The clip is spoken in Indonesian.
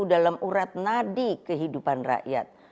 dalam urat nadi kehidupan rakyat